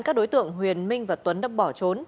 các đối tượng huyền minh và tuấn đã bỏ trốn